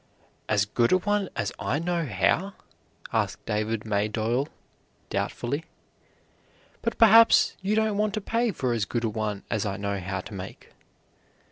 "As good a one as I know how?" asked David Maydole, doubtfully, "but perhaps you don't want to pay for as good a one as I know how to make."